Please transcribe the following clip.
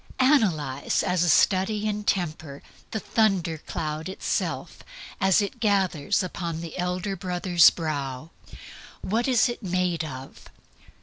Analyze, as a study in Temper, the thunder cloud itself as it gathers upon the Elder Brother's brow. What is it made of?